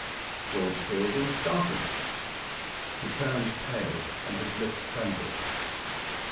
George Fielding started, he turned pale and his lips trembled.